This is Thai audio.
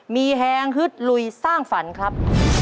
มีแฮงฮึดลุยสร้างฝันครับ